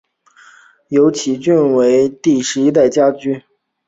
由其孙菊池时隆继位为第十一代家督。